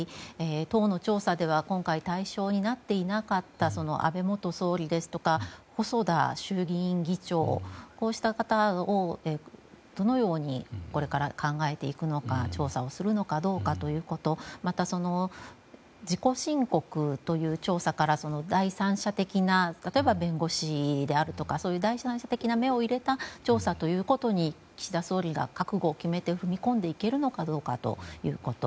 党の調査では今回対象になっていなかった安倍元総理ですとか細田衆議院議長こうした方を、どのようにこれから考えていくのか調査をするのかどうかということまた、自己申告という調査から第三者的な例えば弁護士であるとかそういう第三者的な目を入れた調査ということに岸田総理が覚悟を決めて踏み込んでいけるのかどうかということ。